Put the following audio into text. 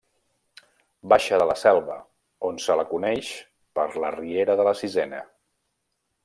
Baixa de La Selva, on se la coneix per la Riera de la Sisena.